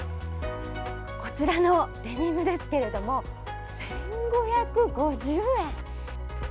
こちらのデニムですけれども１５５０円。